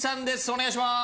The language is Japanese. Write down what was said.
お願いします。